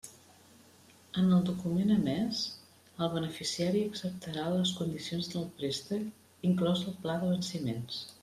En el document emés el beneficiari acceptarà les condicions del préstec, inclòs el pla de venciments.